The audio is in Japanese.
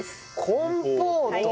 コンポート。